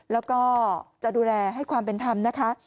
แล้วก็จะดูแลให้ความเป็นธรรมนะคะ